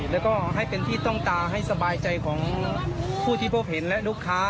แล้วก็ให้เป็นที่ต้องตาให้สบายใจของผู้ที่พบเห็นและลูกค้า